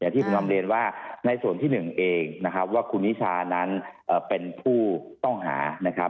อย่างที่ผมทำเรียนว่าในส่วนที่๑เองว่าคุณนิชานั้นเป็นผู้ต้องหา